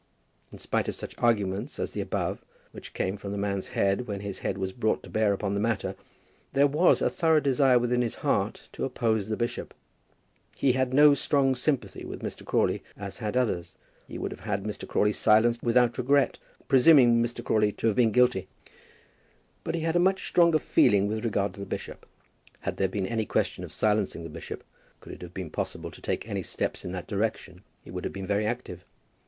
In spite of such arguments as the above, which came from the man's head when his head was brought to bear upon the matter, there was a thorough desire within his heart to oppose the bishop. He had no strong sympathy with Mr. Crawley, as had others. He would have had Mr. Crawley silenced without regret, presuming Mr. Crawley to have been guilty. But he had a much stronger feeling with regard to the bishop. Had there been any question of silencing the bishop, could it have been possible to take any steps in that direction, he would have been very active.